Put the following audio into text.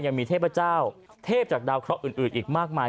ยังมีเทพเจ้าเทพจากดาวเคราะห์อื่นอีกมากมาย